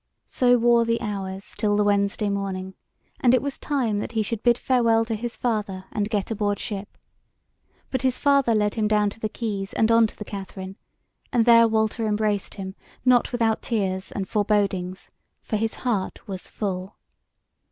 So wore the hours till the Wednesday morning, and it was time that he should bid farewell to his father and get aboard ship; but his father led him down to the quays and on to the Katherine, and there Walter embraced him, not without tears and forebodings; for his heart was full.